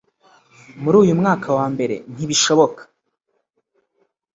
muri uyu mwaka wa mbere ntibishoboka